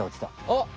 あっ！